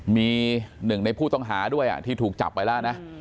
มีหนึ่งในผู้ต้องหาด้วยที่ถูกจับไปแล้วนะ